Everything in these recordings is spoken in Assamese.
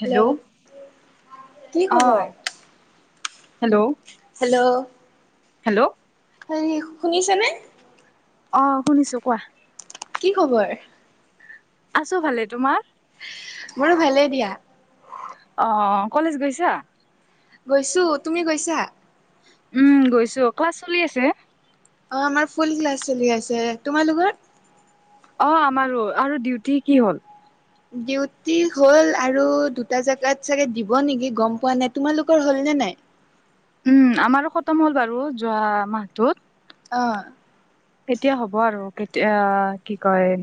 হেলৌ! হেল্ল' কি অঁ খবৰ? হেলৌ! হেলৌ! হেল্লৌ! হেৰি শুনিছে নে? অঁ শুনিছো কোৱা। কি খবৰ? আছোঁ ভালে তোমাৰ? মোৰো ভালেই দিয়া অ অ কলেজ গৈছা গৈছো তুমি গৈছা উম গৈছো ক্লাছ চলি আছে অ আমাৰ ফুল ক্লাছ চলি আছে তোমালোকৰ অ আমাৰো আৰু ডিউটি কি হ'ল ডিউটি হ'ল আৰু দুটা জেগাত চাগে দিব নেকি গম পোৱা নাই তোমালোকৰ হ'ল নে নাই উম আমাৰো খতম হ'ল বাৰু যোৱা মাহটোত অ কেতিয়া হ'ব আৰু কেতিয়া কি কয়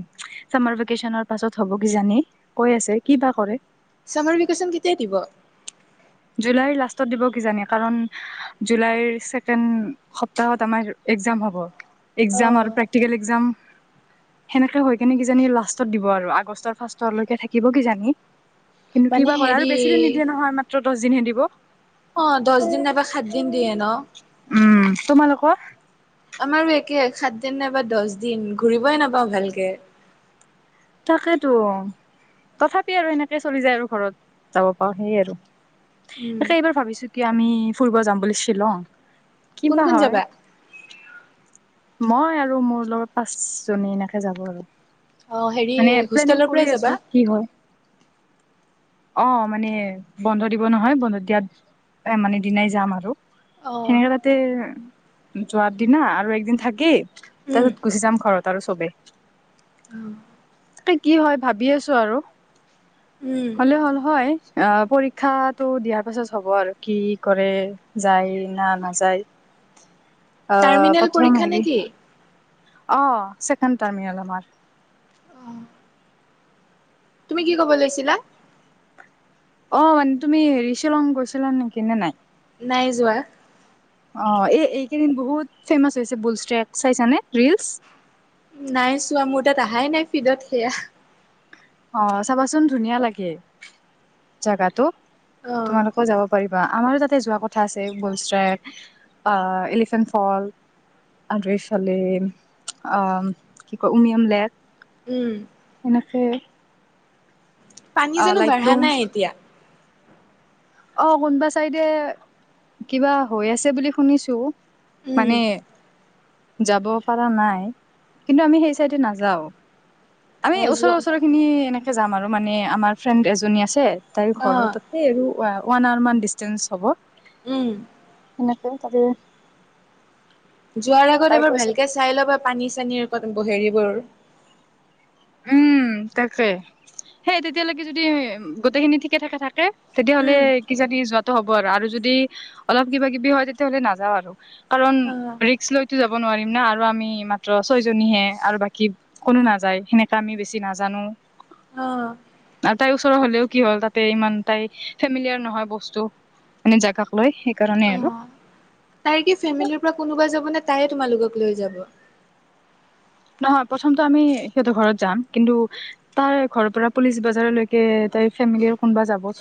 চামাৰ ভেকেচনৰ পাছত হ'ব কিজানি কৈ আছে কি বা কৰে চামিৰ ভেকেশ্যন কেতিয়া দিব জুলাইৰ লাষ্টত দিব কিজানি কাৰণ জুলাইৰ ছেকেণ্ড সপ্তাহত আমাৰ একজাম হব অ একজাম আৰু প্ৰে প্ৰেক্টিকেল এক্জাম সেনেকে হৈ কিনে কিজানি লাষ্টত দিব আৰু আগষ্টৰ ফাৰ্ষ্টলৈকে থাকিব কিজানি কিন্তু মানে কিবা কৰে আৰু হেৰি বেছি নিদিয়ে নহয় মাত্ৰ দহ দিনহে দিব অ দহ দিন নাইবা সাত দিন দিয়ে ন উম তোমালোকৰ আমাৰো একে সাত দিন নাইবা দহ দিন ঘূৰিবই নাপাওঁ ভালকে তাকেতো তথাপি আৰু এনেকে চলি যায় আৰু ঘৰত যাব পাৰো সেইএ আৰু উম তাকে এইবাৰ ভাবিছো কি আমি ফুৰিব যাম বুলি শ্বিলং কোন কিবা কোন হয় যাবা মই আৰু মোৰ লগত পাঁচ জনী এনেকে যাব আৰু অ হেৰি মানে হোষ্টেলৰ প্লেনিং পৰাই কৰি যাবা আছো কি হয় অ মানে বন্ধ দিব নহয় বন্ধ দিয়াত মানে দিনাই যাম আৰু অ সেনেকে তাতে যোৱাৰ দিনা আৰু একদিন থাকি তাৰপিছত গুচি যাম ঘৰত আৰু চবেই অহ তাকেই কি হয় ভাবি আছো আৰু উম হল হ'লে হয় অ পৰীক্ষাটো দিয়াৰ পাছত হ'ব আৰু কি কৰে যায় না নাযায় আহ টাৰ্মিনেল প্ৰথম পৰীক্ষা হেৰি নেকি অ ছেকেণ্ড টাৰ্মিনেল আমাৰ অ তুমি কি ক'ব লৈছিলা অ মানে তুমি হেৰি শ্বিলং গৈছিলা নেকি নে নাই নাই যোৱা। অ, ' এই এইকেইদিন বহুত ফেমাচ হৈছে বুল ষ্ট্ৰেক চাইছানে ৰিলচ। নাই চোৱা মোৰ তাত অহাই নাই ফিডত সেয়া অ, চাবাচোন ধুনীয়া লাগে জাগাটো অ তোমালোকে যাব পাৰিবা আমাৰ অ, তাতে যোৱা কথা আছে বুল ষ্ট্ৰেক আহ, এলিফেন ফলছ আৰু এইফালে আ, কি কয় উমিয়ম লেক। উম। সেনেকে। পানী জানো বাঢ়া লাইটলুম নাই এতিয়া অ, 'কোনোবা চাইডে কিবা হৈ আছে বুলি শুনিছো। উম মানে যাব পাৰা নাই কিন্তু আমি সেই চাইডে নাযাও। আমি অ ওচৰে যোৱা ওচৰে খিনি এনেকে যাম আৰু মানে আমাৰ ফ্ৰেণ্ড এজনী আছে তাইৰ অ ঘৰত সেই আৰু ওৱান আৱাৰ মান ডিচতেন্ঞ্চ হ'ব। উম। [unintelligible] যোৱাৰ আগত তাই এবাৰ কৈছে ভালকে কি চাই ল'বা পানী, চানীৰ হেৰিবোৰ উম, তাকে সেই তেতিয়ালৈকে যদি গোটেইখিনি ঠিকে ঠাকে থাকে। তেতিয়াহ'লে উম কিজানি যোৱাতটো হ'ব আৰু আৰু যদি অলপ কিবা কিবি হয় তেতিয়াাহলে নাযাওঁ আৰু কাৰণ অ ৰিক্ক লৈতো যাব নোৱাৰিম না আৰু আমি মাত্ৰ ছয় জনীহে আৰু বাকী কোনো নাযায় সেনেকে আমি বেছি নাজানো অ আৰু তাইৰ ওচৰৰ হলেও কি হ'ল তাতে ইমান তাই ফেমিলিযাৰ নহয় বস্তু মানে জেগাক লৈ সেইকাৰণে আৰু কোনোবাই যাব নে তাই তোমালোকক লৈ যাব। নহয় প্ৰথমটো আমি সিহঁতৰ ঘৰত যাম কিন্তু তাই ঘৰৰ পৰা পুলিচ, বজাৰলৈকে তাই ফেমিলিৰ কোনোবা যাব অ',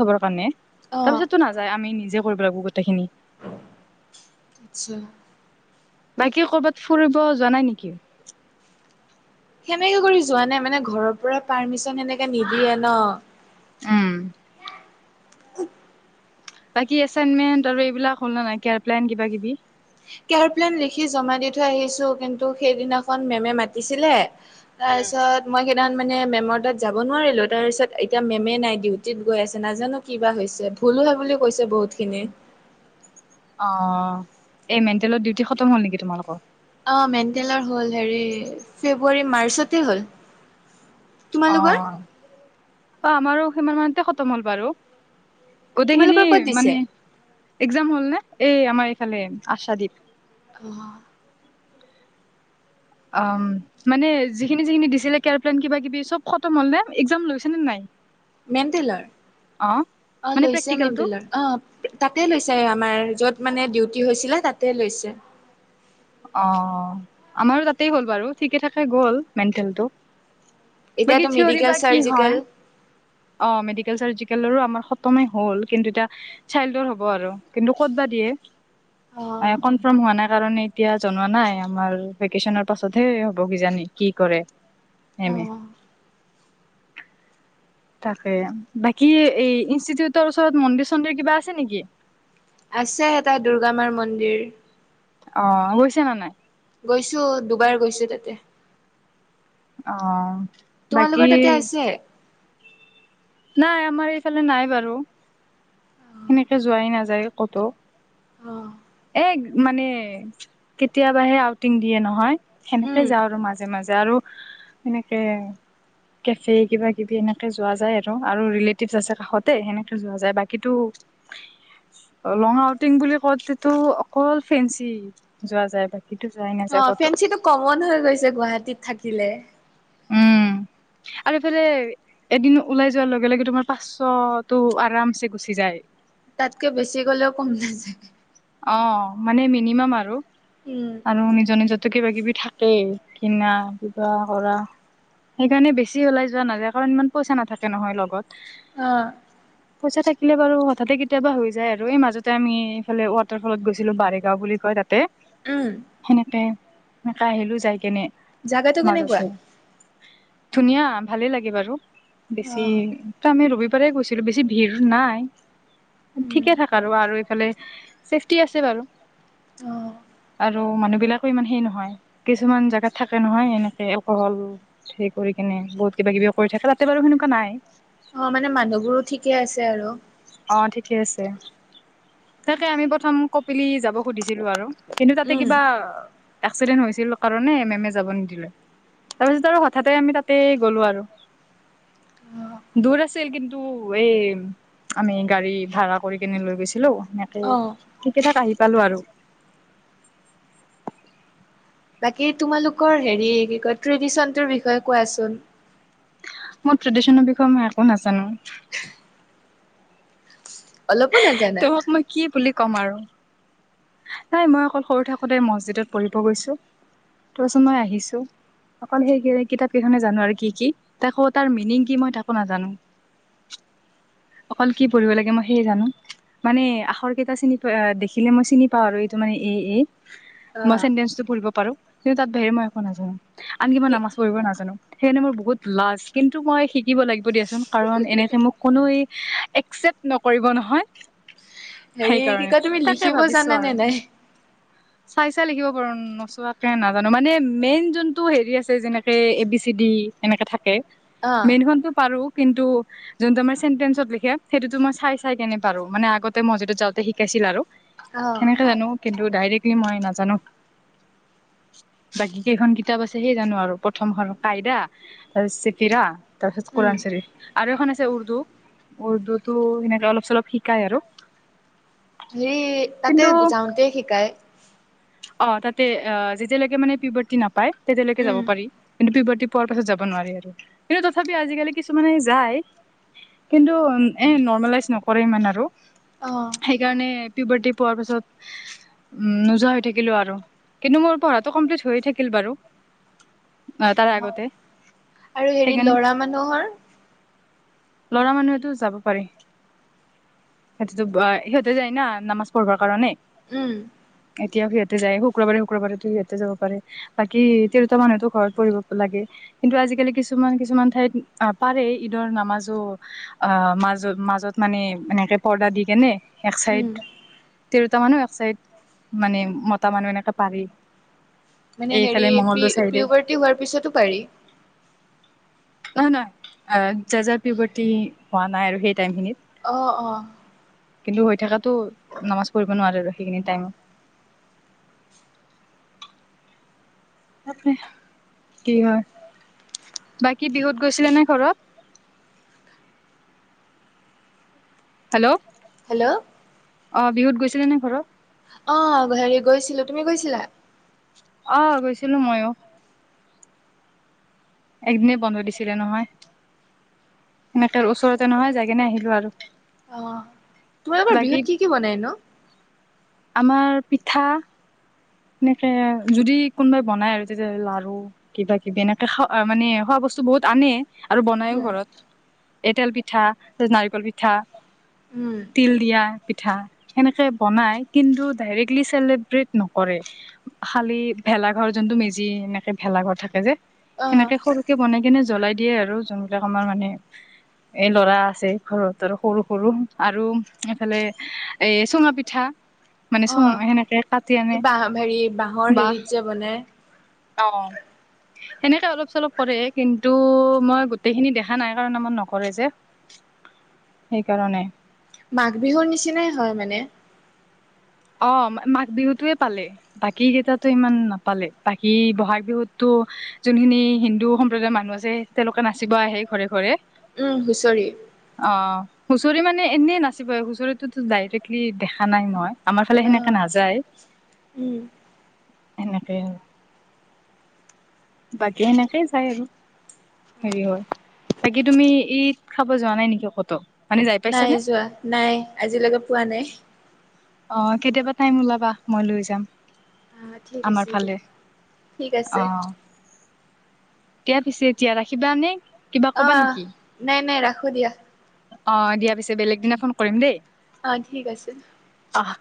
থবৰ কাৰণে অ তাৰপিছতটো নাযায় আমি নিজে কৰিব লাগিবো গোটেইখিনি আচ্ছা- বাকী কৰবাত ফুৰিব যোৱা নাই নেকি? সেনেকে কৰি যোৱা নাই মানে ঘৰৰ পৰা পাৰ্মিচন সেনেকে নিদিয়ে ন' উম। বাকী এচাইনমেণ্ট আৰু এইবিলাক হ'ল নাই কেয়াৰ প্লেন কিবা কিবি কেয়াৰ প্লেন লিখি জমা দি থৈ আহিছো কিন্তু সেইদিনাখন মেমে মাতিছিলে তাৰ উম। পিছত মই সেইদিনা মানে মেমৰ তাত যাব নোৱাৰিলো তাৰ পিছত এতিয়া মেমে নাই ডিউটিত গৈ আছে নাজানো কিবা হৈছে ভুলো হয় বুলি কৈছে বহুত খিনি অ, 'এই মেণ্টেলত ডিউটি খতম হ'ল নেকি তোমালোকৰ অ, '' মেণ্টেলৰ হ'ল হেৰি ফেব্ৰুৱাৰী মাৰ্চতে হ'ল। অ, তোমালোকৰ 'অ, 'আমাৰো সিমান মানতে খতম হ'ল বাৰু গোটেইখিনি তোমালোকৰ ক'ত দিছে? মানে এক্জাম হ'ল নে এই আমাৰ এইফালে আশাদ্বীপ অ'! উম। মানে যিখিনি -যিখিনি দিছিলে কেযাৰ প্লেন কিবা কিবি চব খতম হ'ল নে এক্জাম লৈছে নে নাই মেণ্টেলৰ অ, ' মানে লৈছে প্ৰেক্টিকেলটো? মেনটেলাৰ অ। তাতে লৈছে আমাৰ য'ত মানে ডিউটি হৈছিলে তাতে লৈছে। অ, 'আমাৰো তাতেই হ'ল বাৰু ঠিকে থাকে গ'ল মেন্টেল টো বাকি এতিয়াতো থিয়ৰী মেডিকেল বা কি হয়। চাৰ্জিকেল অ, ' মেডিকেল, চাৰ্জিকেলৰো, আমাৰ খতমেই হ'ল কিন্তু এতিয়া চাই্ডৰ, হ'ব আৰু কিন্তু ক'তব দিয়ে অ কনফাৰ্ম হোৱা নাই কাৰণ এতিয়া জনোৱা নাই আমাৰ ভেকেচনৰ পাছতহে হ'ব কিজানি কি কৰে অ মেমে তাকে বাকী এই ইনষ্টিটিউটৰ, ওচৰত মন্দিৰ, চন্দিৰ কিবা আছে নেকি? আছে এটা দুৰ্গামাৰ, মন্দিৰ। অ গৈছা নে নাই গৈছোঁ দুবাৰ গৈছোঁ তাতে অ বাকী তোমালোকৰ তাতে আছে নাই আমাৰ এইফালে নাই বাৰু সেনেকে যোৱাই নাযায় ক'তো অ এগ মানে কেতিয়াবাহে আউটিং দিয়ে নহয় সেনেকে উম যাওঁ আৰু মাজে মাজে আৰু এনেকে কেফে কিবা কিবি এনেকে যোৱা যায় আৰু আৰু ৰিলেটিভ আছে কাষতে সেনেকে যোৱা যায় বাকীটো লং আউটিং বুলি কওতেতো অকল ফেঞ্চি যোৱা যায় বাকী সেইটো যোৱাই নাই অ ফেঞ্চিটো কমন হৈ গৈছে গুৱাহাটীত থাকিলে উম আৰু এইফালে এদিনো ওলাই যোৱাৰ লগে লগে তোমাৰ পাঁচশ টো আৰামছে গুচি যায় তাতকে বেছি গ'লেও কম নাযায় অ মানে মিনিমাম আৰু উম আৰু নিজৰ নিজতে কিবা কিবি থাকেই কিনা কিবা কৰা সেইকাৰণে বেছি ওলাই যোৱা নাযায় কাৰণ ইমান পইচা নাথাকে নহয় লগত অ পইচা থাকিলে বাৰু হঠাতে কেতিয়াবা হৈ যায় আৰু এই মাজতে আমি এইফালে ফলত গৈছিলো বাৰেগাঁও বুলি কয় তাতে উম সেনেকে সেনেকে আহিলো যায় কেনে জাগাটো কেনেকুৱা মাজতে ধুনীয়া ভালে লাগে বাৰু অ বেছি আমি ৰবিবাৰে গৈছিলো বেছি ভিৰ নাই উম ঠিকে থাক আৰু আৰু এইফালে চেফটি আছে বাৰু অ আৰু মানুহ বিলাকো ইমান সেই নহয় কিছুমান জেগাত থাকে নহয় এনেকে কহল হে কৰি কিনে বহুত কিবা কিবি কৰি থাকে তাতে বাৰু সেনেকুৱা নাই অ মানে মানুহবোৰো ঠিকে আছে আৰু অ ঠিকে আছে তাকে আমি প্ৰথম কপিলি যাব সুধিছিলো আৰু কিন্তু তাতে উম কিবা এক্সিডেন্ট হৈছিল কাৰণে মেমে যাব নিদিলে তাৰপিছত আৰু হঠাতে আমি তাতেই গ'লো আৰু অ দূৰ আছিল কিন্তু এই আমি গাড়ী ভাড়া কৰি কেনে লৈ গৈছিলো সেনেকে অ ঠিকেই থাক আহি পালো আৰু বাকী তোমালোকৰ হেৰি কি কয় ট্ৰেডিশনটোৰ বিষয়ে কোৱাচোন মোৰ টেডেশ্যনৰ বিষয়ে মই একো নাজানো অলপো নাজানা তোমাক মই কি বুলি ক'ম আৰু নাই মই অকল সৰু থাকোঁতে মছজিদত পঢ়িব গৈছো তাৰপাছত মই আহিছো অকল সেই কিতাপ কেইখনে জানো আৰু কি কি তাকো তাৰ মিনিং কি মই তাকো নাজানো [inaudible] অকল কি পঢ়িব লাগে মই সেয়ে জানো মানে আখৰ কেইটা চিনি প দেখিলে মই চিনি আৰু এইটো মানে এ এ মই অ'। চেন্টেচটো পঢ়িব পাৰো কিন্তু তাৰ বাহিৰে মই একো নাজানো আনকি মই নি নামাজ পঢ়িব নাজানো সেইকাৰণে মোৰ বহুত লাজ কিন্তু মই শিকিব লাগিব দিয়াচোন কাৰণ এনেকে মোক কোনোৱে একচেপ নকৰিব নহয় হেৰি কি সেইকাৰণে কয় তুমি তাকে লিখিব ভাবিছো জানানে আৰু [inaudible] চাই চাই লিখিব পাৰো নচোৱাকে নাজানো মানে মেইন যোনটো হেৰি আছে যেনেকে এ বি চি ডি এনেকে থাকে অ', মেইনখনতো পাৰো কিন্তু যোনটো আমাৰ চেণ্টেন্ঞ্চত লিখে সেইটোতো মই চাই চাই কেনে পাৰো মানে আগতে মজজিদ ত যাওঁতে শিকাইছিল আৰু অ'। সেনেকে জানো কিন্তু ডাইৰেক্টলি মই নাজানো বাকী কেইখন কিতাপ আছে সেই জানো আৰু প্ৰথমখন কাইদা তাৰপিছত চিকিৰা তাৰপিছত উম, কুৰণ শ্বৰীফ আৰু এখন আছে উৰ্দু উৰ্দুতো সেনেকে অলপ চলপ শিকাই আৰু হেৰি কিন্তু তাতে যাওঁতে শিকাই অ তাতে অ যেতিয়ালৈকে মানে পিবৰ্তি নাপায় তেতিয়ালৈকে যাব উম, পাৰি কিন্তু পিপটি পোৱাৰ পাছত যাব নোৱাৰি আৰু কিন্তু তথাপি আজিকালি কিছুমানে যায় কিন্তু এ নৰ্মেলাইজ নকৰে ইমান আৰু অ'। সেইকাৰণে পিউবটি পোৱাৰ পাছত উ নোযোৱা হৈ থাকে লোৱাটো আৰু কিন্তু মোৰ পঢ়াটো কমপ্লিট হৈ থাকিল বাৰু অ তাৰ আগতে আৰু হেৰি সেইকাৰণে ল'ৰা মানুহৰ লৰা মানুহেতো যাব পাৰি সিহঁতো অ সিহঁতে যায় না নামাজ পঢ়বৰ কাৰণে উম এতিয়াও সিহতে যায় শুক্ৰবাৰে শুক্ৰবাৰেতো সিহতে যাব পাৰে বাকী তিৰোতা মানুহতো ঘৰত পঢ়িব লাগে কিন্তু আজিকালি কিছুমান কিছুমান ঠাইত আহ পাৰে ঈদৰ নামাজ অ মা মাজত মানে এনেকে পৰদা দি কেনে উম। তিৰোটা মানুহ এক চাইড মানে মটা মানুহ এনেকে পাৰি মানে হেৰি এইফালে পি মঙ্গগলদৈৰ চাইডে পিউবাৰ্টি হোৱাৰ পিছতো পাৰি নহয় নহয় জেজাৰ পিওবৰ্তি হোৱা নাই আৰু সেই টাইম খিনিত অ অ কিন্তু হৈ থাকাতো নামাজ কৰিব নোৱাৰে আৰু সেইখিনি টাইমত তাকে কি হয় বাকী বিহুত গৈছিলে নে ঘৰত হেল্ল' হেল্ল' অ বিহুত গৈছিলে নে ঘৰত অ হেৰি গৈছিলো তুমি গৈছিলা অ গৈছিলো মইয়ো একদিনে বন্ধ দিছিলে নহয় এনেক ওচৰতে নহয় যাই কিনে আহিলো আৰু অ তোমালোকৰ বাকী বিহুত কি কি বনাই নো আমাৰ পিঠা এনেকে যদি কোনোবাই বনাই আৰু তেতিয়া লাৰু কিবা কিবি এনেকে খা মানে খোৱা বস্তু বহুত আনে আৰু বনাইও উম, ঘৰত এ তেল পিঠা নাৰিকল পিঠা উম, তিল দিয়া পিঠা সেনেকে বনাই কিন্তু ডাইৰেক্টলি চেলিব্ৰেট নকৰে কৰে খালি ভেলা ঘৰ যোনটো মেজি এনেকে ভেলা ঘৰ থাকে যে অ', সেনেকে সৰু কে বনাই কেনে জ্বলাই দিয়ে আৰু যোনবিলাক আমাৰ মানে এ ল'ৰা আছে ঘৰত আৰু সৰু - সৰু আৰু এইফালে এই চুঙা পিঠা মানে অ, চুঙ সেনেকে কাটি আনে কিবা হেৰি বাঁহৰ বা হেৰিত যে বনাই। অ। সেনেকে অলপ - চলপ কৰে কিন্তু মই গোটেইখিনি দেখা নাই কাৰণ আমাৰ নকৰে যে। উ [inaudible] সেইকাৰণে। মাঘ বিহুৰ নিচিনাই হয় মানে। অ মা মাঘ বিহুটোৱে পালে। বাকী কেইটাতো ইমান নাপালে, বাকী বহাগ বিহুতো যোনখিনি হিন্দু সম্প্ৰদায়ৰ মানুহ আছে তেওঁলোকে নাচিব আহে ঘৰে - ঘৰে। উম হুঁচৰি। অ হুঁচৰি মানে এনেই নাচিবই, হুঁচৰিটোতো ডাইৰেক্টলি দেখা নাই মই। আমাৰ ফালে সেনেকে আহ নাযায় উম সেনেকে আৰু। বাকী এনে সেই চাই আৰু। হেৰি হয়, বাকি তুমি ঈদ খাব যোৱা নাই নেকি কতো? মানে যাই নাই পাইছানে যোৱা নাই, আজিলৈকে পোৱা নাই। অ কেতিয়াবা টাইম ওলাবা, মই লৈ যাম। আহ ঠিক আমাৰ আছে দিয়া ফালে ঠিক আছে অ। এতিয়া পিছে এতিয়া ৰাখিবা নে কিবা কবা আহ নেকি? নাই নাই ৰাখো দিয়া অ দিয়া পিছে, বেলেগ দিনা ফোন কৰিম দেই। অ ঠিক আছে। অহ।